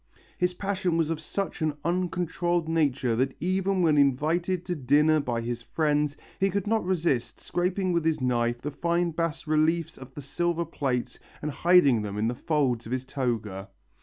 His passion was of such an uncontrollable nature that even when invited to dinner by his friends he could not resist scraping with his knife the fine bas reliefs of the silver plates and hiding them in the folds of his toga.